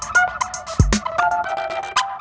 kau mau kemana